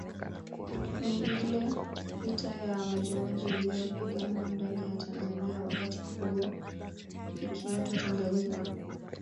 Ni hile vita ya Majimaji iliyopiganwa ndani ya Tanzania wakati huo ikiitwa Tanganyika